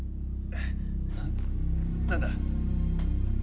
何だ？